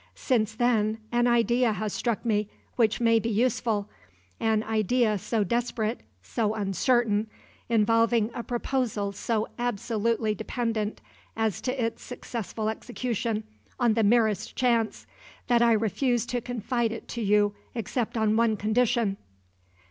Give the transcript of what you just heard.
Since then, an idea has struck me, which may be useful an idea so desperate, so uncertain involving a proposal so absolutely dependent, as to its successful execution, on the merest chance, that I refuse to confide it to you except on one condition."